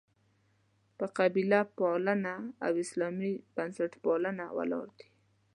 په «قبیله پالنه» او «اسلامي بنسټپالنه» ولاړ دي.